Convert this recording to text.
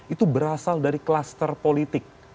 itu berasal dari kluster politik